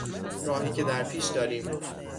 راهی که در پیش داریم